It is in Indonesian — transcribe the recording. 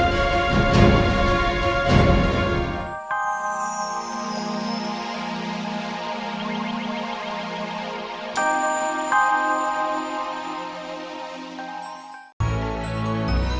sampai jumpa lagi